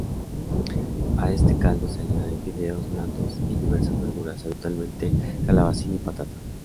A este caldo se añaden fideos blandos y diversas verduras, habitualmente calabacín y patata.